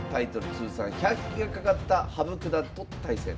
通算１００期がかかった羽生九段と対戦。